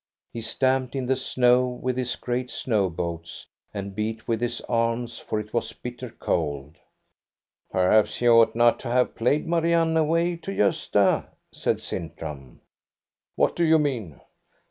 He stamped in the snow with his great snow boots and beat with his arms, for it was bitter cold. " Perhaps you ought not to have played Marianne away to Gosta," said Sintram. " What do you mean